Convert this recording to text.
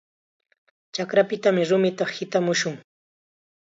Chakrapita rumita hitashun.